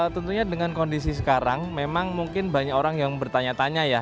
tentunya dengan kondisi sekarang memang mungkin banyak orang yang bertanya tanya ya